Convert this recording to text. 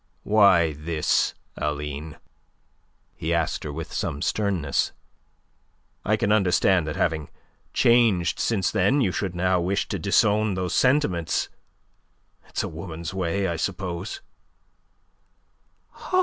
"Why this, Aline?" he asked her with some sternness. "I can understand that, having changed since then, you should now wish to disown those sentiments. It is a woman's way, I suppose."